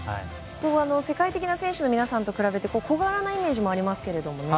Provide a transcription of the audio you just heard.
世界的な選手の皆さんと比べて小柄なイメージもありますけど。